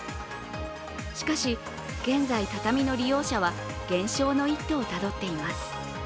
しかし、現在、畳の利用者は減少の一途をたどっています。